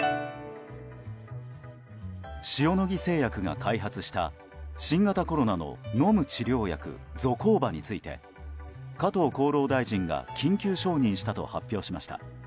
シオノギ製薬が開発した新型コロナの飲む治療薬ゾコーバについて加藤厚労大臣が緊急承認したと発表しました。